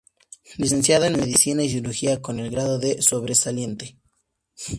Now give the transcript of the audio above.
Licenciado en Medicina y Cirugía con el grado de sobresaliente.